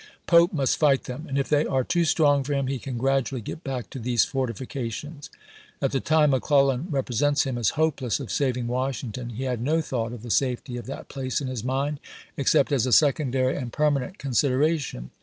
Pope must fight them ; and if they are too strong for him, he can gradually get back to Diary, thcso fortlfications." At the time McClellan repre sents him as hopeless of saving Washington he had no thought of the safety of that place in his mind, except as a secondary and permanent considera tion.